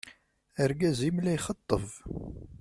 Argaz-im la ixeṭṭeb.